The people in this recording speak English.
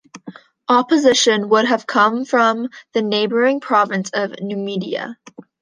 Opposition would come from the neighbouring province of Numidia.